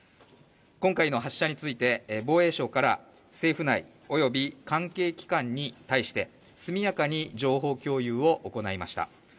今回の発射について、防衛省から政府内および関係機関に対して速やかに情報共有を行いました。